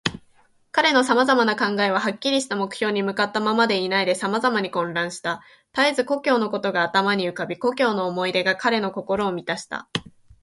彼のさまざまな考えは、はっきりした目標に向ったままでいないで、さまざまに混乱した。たえず故郷のことが頭に浮かび、故郷の思い出が彼の心をみたした。